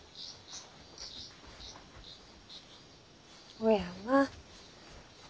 おやまぁ。